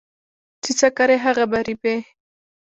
چې څه کرې هغه به ريبې